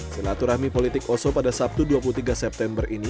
silaturahmi politik oso pada sabtu dua puluh tiga september ini